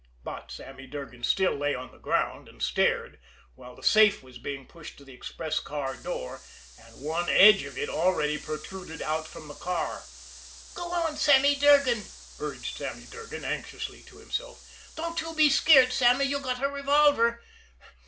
But Sammy Durgan still lay on the ground and stared while the safe was being pushed to the express car door, and one edge of it already protruded out from the car. "Go on, Sammy Durgan!" urged Sammy Durgan anxiously to himself. "Don't you be skeered, Sammy, you got a revolver.